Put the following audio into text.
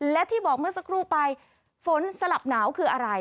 และที่บอกเมื่อสักครู่ไปฝนสลับหนาวคืออะไร